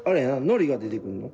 のりが出てくんの。